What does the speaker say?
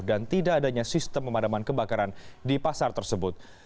dan tidak adanya sistem pemadaman kebakaran di pasar tersebut